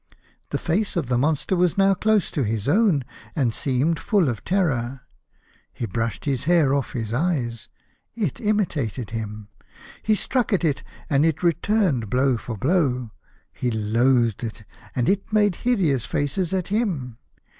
The face of the monster was now close 57 i A House of Pomegranates. to his own, and seemed full of terror. He brushed his hair off his eyes. It imitated him. He struck at it, and it returned blow for blow. He loathed it, and it made hideous faces at him.